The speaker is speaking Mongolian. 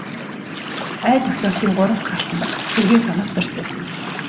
Ой тогтоолтын гурав дахь алхам бол сэргээн санах процесс юм.